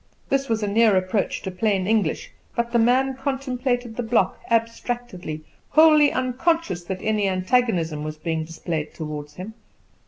This was a near approach to plain English; but the man contemplated the block abstractedly, wholly unconscious that any antagonism was being displayed toward him.